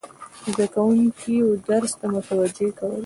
زده کوونکي و درس ته متوجه کول،